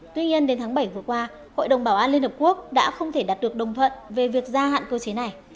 tuy nhiên đến tháng bảy vừa qua hội đồng bảo an liên hợp quốc đã không thể đạt được đồng thuận về việc gia hạn cơ chế này